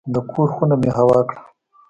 د کور خونه مې هوا کړه.